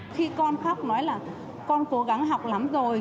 khi con khóc nói là con cố gắng học lắm rồi